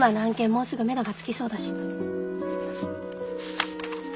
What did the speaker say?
もうすぐめどがつきそうだし。